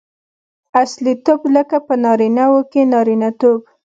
اصیلتوب؛ لکه په نارينه وو کښي نارينه توب.